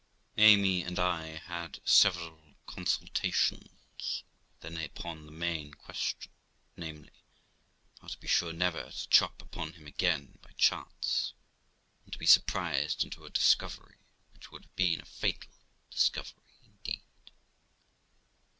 Amy and I had several consultations then upon the main question, namely, how to be sure never to chop upon him again by chance, and to be surprised into a discovery, which would have been a fatal discovery indeed.